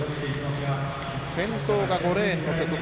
先頭が５レーンの瀬戸。